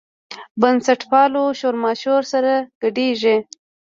بنسټپالو شورماشور سره ګډېږي.